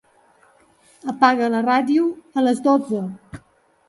Apaga la ràdio a les dotze.